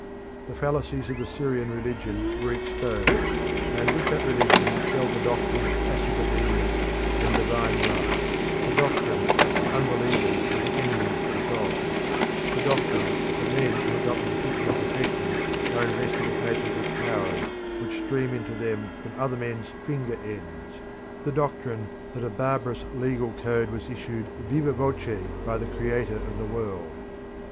The fallacies of the Syrian religion were exposed: and with that religion fell the doctrine of passive obedience and divine right: the doctrine that unbelievers are the enemies of God: the doctrine that men who adopt a particular profession are invested with magical powers which stream into them from other men's finger ends: the doctrine that a barbarous legal code was issued vivâ voce by the Creator of the world.